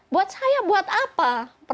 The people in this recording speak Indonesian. buat saya buat apa